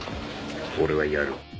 俺はやる。